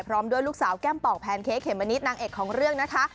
พร้อมด้วยลูกสาวแก้มปอกแพนเค้กเขมมะนิดนางเอกของเรื่องนะคะ